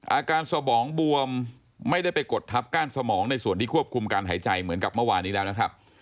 สมองบวมไม่ได้ไปกดทับก้านสมองในส่วนที่ควบคุมการหายใจเหมือนกับเมื่อวานนี้แล้วนะครับ